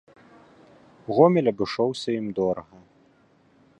Гомель абышоўся ім дорага.